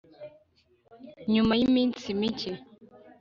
nyuma y'iminsi mike